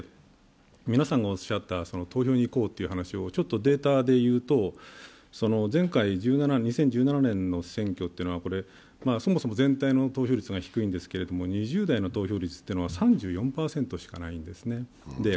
皆さんがおっしゃった、投票で行こうという話をデータで言うと前回２０１７年の選挙は、そもそも全体の投票率が低いんですけど２０代の投票率が３４％しかないんですね。